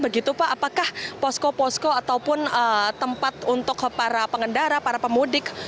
begitu pak apakah posko posko ataupun tempat untuk para pengendara para pemudik